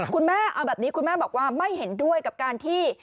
คุณแม่เอาแบบนี้คุณแม่บอกว่าไม่เห็นด้วยกับการที่